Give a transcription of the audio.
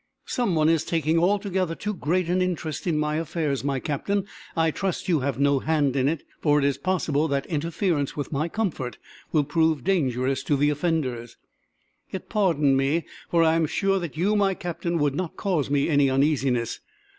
"Some one is taking altogether too great an interest in my affairs, my Captain. I trust you have no hand in it, for it is possible that interference with my comfort will prove dangerous to the offenders. Yet, pardon me, for I am sure that you, my Captain, would not cause me any uneasiness.